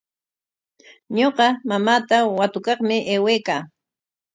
Ñuqa mamaata watukaqmi aywaykaa.